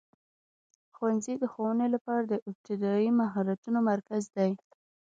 ښوونځی د ښوونې لپاره د ابتدایي مهارتونو مرکز دی.